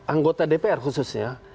anggota dpr khususnya